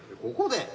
ここで？